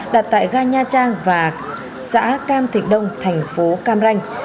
đặt tại ga nha trang và xã cam thịnh đông thành phố cam ranh